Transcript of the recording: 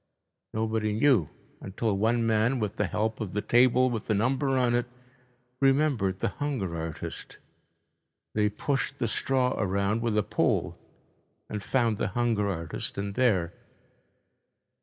Nobody knew, until one man, with the help of the table with the number on it, remembered the hunger artist. They pushed the straw around with a pole and found the hunger artist in there.